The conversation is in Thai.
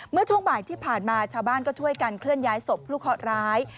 เมื่อช่วงบ่ายที่ผ่านมาชาวบ้านก็ช่วยกันเคลื่อนย้ายศพผู้เคาะร้าย